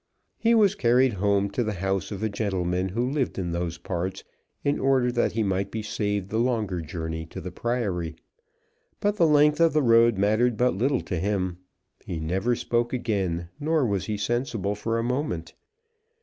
] He was carried home to the house of a gentleman who lived in those parts, in order that he might be saved the longer journey to the Priory; but the length of the road mattered but little to him. He never spoke again, nor was he sensible for a moment.